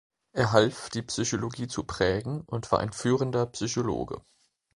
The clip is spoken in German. Er half, die Psychologie zu prägen, und war ein führender Psychologe.